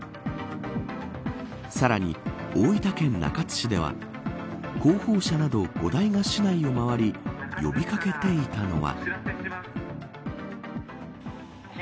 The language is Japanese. さらに，大分県中津市では広報車など５台が市内を回り呼び掛けていたのは。